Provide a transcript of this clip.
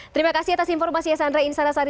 terima kasih atas informasi ya sandra insarasari